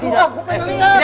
tidak gue pengen liat